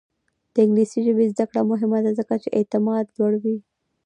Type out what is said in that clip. د انګلیسي ژبې زده کړه مهمه ده ځکه چې اعتماد لوړوي.